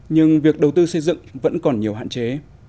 nhưng việc đầu tư xây dựng vẫn còn nhiều hạn chế